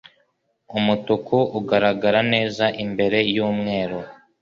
Umutuku ugaragara neza imbere yumweru.